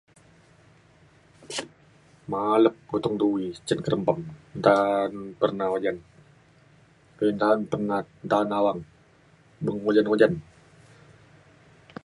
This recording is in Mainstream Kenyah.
malep utung tuie cen kerempam nta pernah ojan eh nta pernah taun awang beng ojan ojan